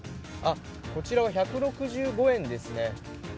こちらは１６５円ですね。